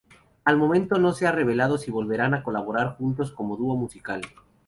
Al momento no se ha revelado si volverán a colaborar juntos como dúo musical.